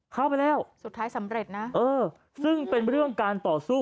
เข้าไปแล้วสุดท้ายสำเร็จนะเออซึ่งเป็นเรื่องการต่อสู้